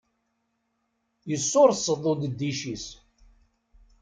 Yessurseḍ udeddic-is.